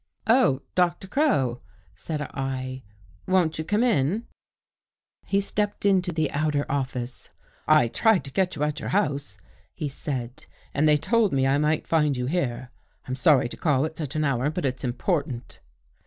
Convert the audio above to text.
" Oh, Doctor Crow," said I. " Won't you come in?" He stepped into the outer office. I tried to get you at your house," he said, " and they told me I might find you here. I'm sorry to call at such an hour, but it's important."